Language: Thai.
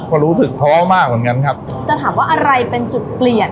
ก็รู้สึกท้อมากเหมือนกันครับจะถามว่าอะไรเป็นจุดเปลี่ยน